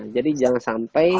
jadi jangan sampai